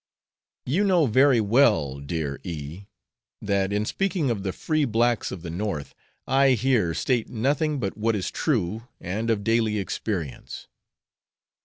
You know very well dear E , that in speaking of the free blacks of the North I here state nothing but what is true and of daily experience.